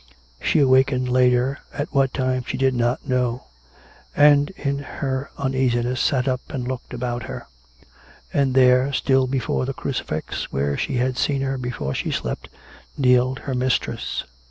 She awakened later, at what time she did not know, and, in her uneasiness, sat up and looked about her; and there, still before the crucifix, where she had seen her before she slept, kneeled her mistress.